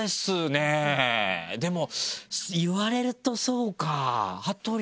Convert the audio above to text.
でも言われるとそうか羽鳥さん。